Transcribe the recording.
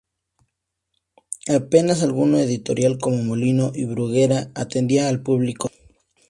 Apenas alguna editorial –como Molino o Bruguera– atendía al público joven.